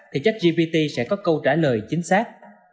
thì chắc gpt sẽ có câu trả lời chính xác